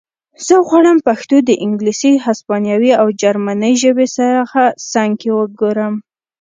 زه غواړم پښتو د انګلیسي هسپانوي او جرمنۍ ژبې سره څنګ کې وګورم